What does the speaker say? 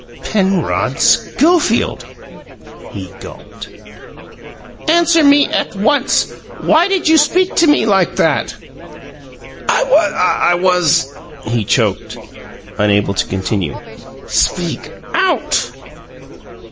"Penrod Schofield!" He gulped. "Answer me at once! Why did you speak to me like that?" "I was " He choked, unable to continue. "Speak out!"